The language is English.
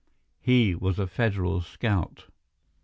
He was a Federal scout.